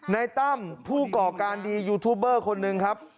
ตั้มผู้ก่อการดียูทูบเบอร์คนหนึ่งครับ